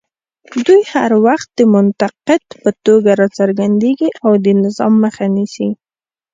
دوی هر وخت د منتقد په توګه راڅرګندېږي او د نظام مخه نیسي